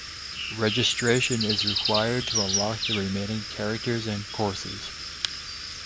Registration is required to unlock the remaining characters and courses.